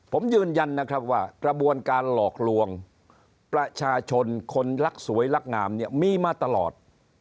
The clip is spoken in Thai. ผมยืนยันนะครับว่ากระบวนการหลอกลวงประชาชนคนรักสวยรักงามเนี่ยมีมาตลอด